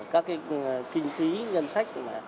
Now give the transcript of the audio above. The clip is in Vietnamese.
các kinh phí ngân sách